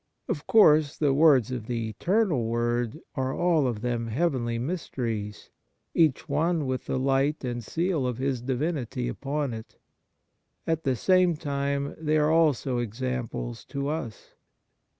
Of course the words of the Eternal Word are all of them heavenly mysteries, each one with the light and seal of His Divinity upon it. At the same time they are also examples to us.